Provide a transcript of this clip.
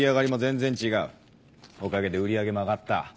おかげで売り上げも上がった。